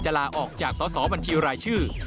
ลาออกจากสอสอบัญชีรายชื่อ